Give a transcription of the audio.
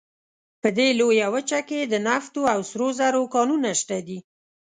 په دې لویه وچه کې د نفتو او سرو زرو کانونه شته دي.